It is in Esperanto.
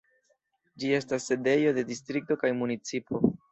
Ĝi estas sidejo de distrikto kaj municipo.